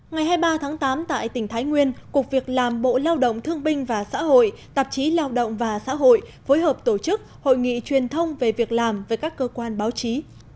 ngày hai mươi ba tháng tám tại tỉnh thái nguyên cục việc làm bộ lao động thương binh và xã hội tạp chí lao động và xã hội phối hợp tổ chức hội nghị truyền thông về việc làm với các cơ quan báo chí